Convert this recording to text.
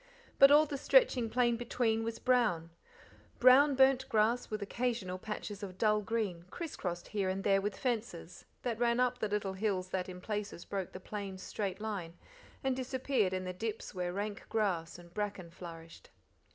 But all the stretching plain between was brown. Brown burnt grass with occasional patches of dull green, criss crossed here and there with fences; that ran up the little hills that in places broke the plain's straight line, and disappeared in the dips where rank grass and bracken flourished.